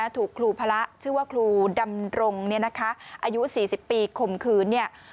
ถูกครูพระชื่อว่าครูดำรงอายุ๔๐ปีคมคืน